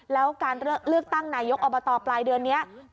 แล้วการเลือกตั้งนายกอบตปลายเดือนนี้